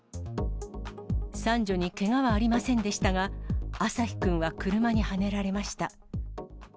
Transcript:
三女にけがはありませんでしたが、あさひくんは車にはねられました。